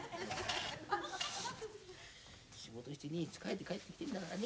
仕事してね疲れて帰ってきてんだからね。